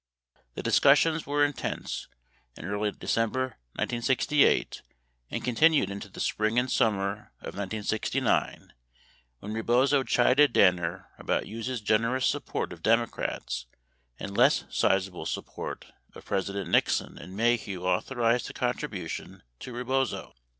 The discussions were intense in early December 1968, and continued into the spring and summer of 1969, when Rebozo chided Danner about Hughes' generous support of Democrats and less sizable support of President Nixon and Maheu authorized a contribution to Rebozo.